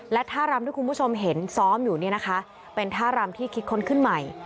และท่ารำที่คุณผู้ชมเห็นซ้อมอยู่เนี่ยนะคะเป็นท่ารำที่คิดค้นขึ้นใหม่